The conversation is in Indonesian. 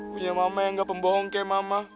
punya mama yang gak pembohong kayak mama